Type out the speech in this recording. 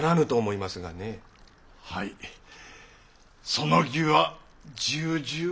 その儀は重々。